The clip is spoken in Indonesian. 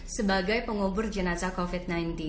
sebagai pengubur jenazah covid sembilan belas